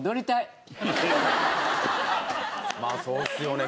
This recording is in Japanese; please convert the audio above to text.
まあそうですよね。